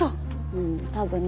うん多分ね。